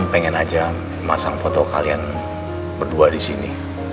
saya ingin aja masang foto kalian berdua disini